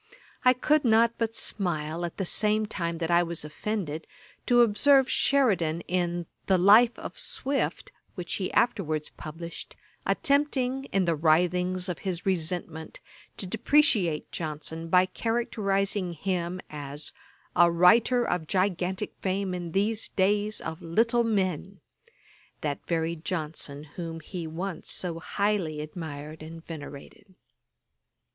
I could not but smile, at the same time that I was offended, to observe Sheridan in The Life of Swift, which he afterwards published, attempting, in the writhings of his resentment, to depreciate Johnson, by characterising him as 'A writer of gigantick fame in these days of little men;' that very Johnson whom he once so highly admired and venerated. [Page 390: Mr. Thomas Davies. A.D.